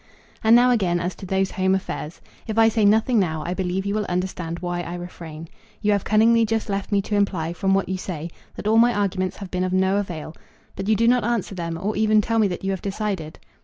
And now again as to those home affairs. If I say nothing now I believe you will understand why I refrain. You have cunningly just left me to imply, from what you say, that all my arguments have been of no avail; but you do not answer them, or even tell me that you have decided.